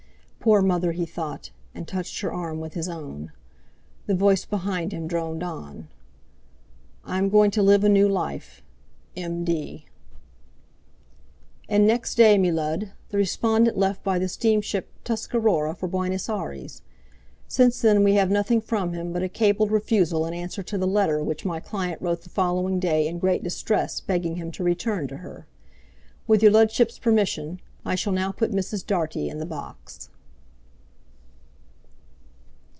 "Poor mother," he thought, and touched her arm with his own. The voice behind droned on. "'I am going to live a new life. M. D.'" "And next day, me Lud, the respondent left by the steamship Tuscarora for Buenos Aires. Since then we have nothing from him but a cabled refusal in answer to the letter which my client wrote the following day in great distress, begging him to return to her. With your Ludship's permission. I shall now put Mrs. Dartie in the box."